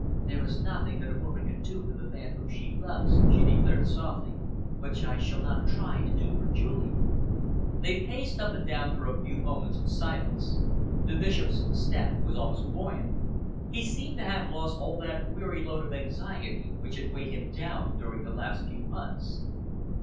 "There is nothing that a woman can do for the man whom she loves," she declared softly, "which I shall not try to do for Julian." They paced up and down for a few moments in silence. The Bishop's step was almost buoyant. He seemed to have lost all that weary load of anxiety which had weighed him down during the last few months.